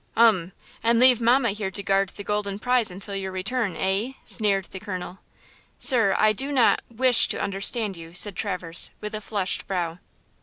"Umm! and leave mama here to guard the golden prize until your return, eh?" sneered the colonel. "Sir, I do not–wish to understand you," said Traverse with a flushed brow.